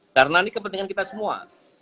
karena ini kepentingan kita semua